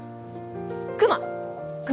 熊？